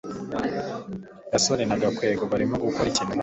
gasore na gakwego barimo gukora ikintu hamwe